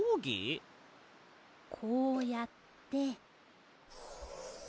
こうやって。